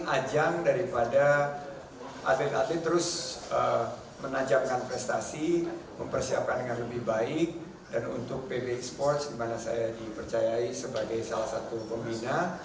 ajang daripada atlet atlet terus menanjakan prestasi mempersiapkan dengan lebih baik dan untuk pb esports di mana saya dipercayai sebagai salah satu pembina